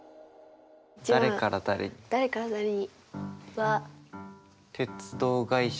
誰から誰には。